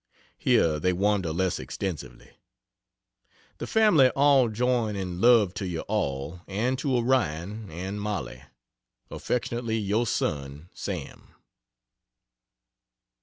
Here they wander less extensively. The family all join in love to you all and to Orion and Mollie. Affly Your son SAM.